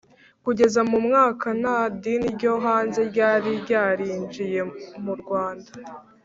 kugeza mu mwaka nta dini ryo hanze ryari ryarinjiye mu rwanda.